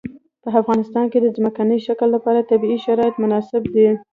په افغانستان کې د ځمکنی شکل لپاره طبیعي شرایط مناسب دي.